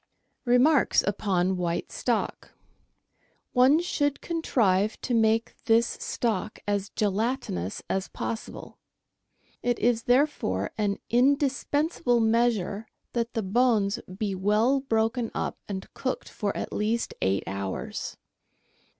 Remarks upon White Stock. — One should contrive to make this stock as gelatinous as possible. It is therefore an indis pensable measure that the bones be well broken up and cooked for at least eight hours.